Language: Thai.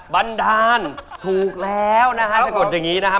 บันดาลถูกแล้วนะครับ